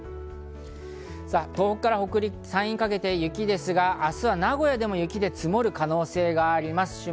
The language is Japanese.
東北から山陰にかけて雪ですが、明日は名古屋でも雪で積もる可能性があります。